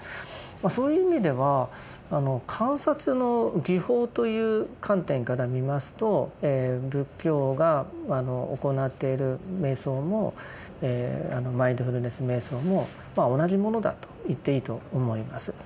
そういう意味では観察の技法という観点から見ますと仏教が行っている瞑想もあのマインドフルネス瞑想もまあ同じものだと言っていいと思います。